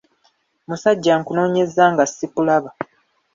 Musajja nkunoonyezza nga sikulaba.